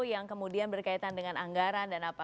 yang kemudian berkaitan dengan anggaran dan apa